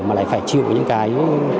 mà lại phải chịu những cái